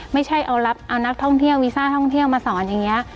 ไม่ใช่เอานักท่องเที่ยววีซ่าท่องเที่ยวมาสอนอย่างนี้